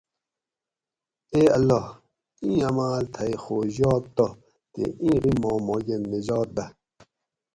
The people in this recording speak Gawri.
اے اللّٰہ ! اِیں عماۤل تھئ خوش یات تہ تے اِیں غِم ما ماکہۤ نجات دہ